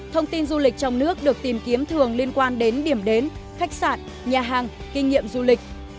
thông tin du lịch trong nước được tìm kiếm thường liên quan đến điểm đến khách sạn nhà hàng kinh nghiệm du lịch